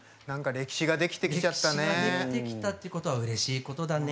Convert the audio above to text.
歴史が出来てきたっていうことはうれしいことだね。